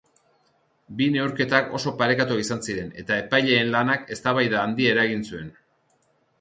Bi neurketak oso parekatuak izan ziren eta epaileen lanak eztabaida handia eragin zuen.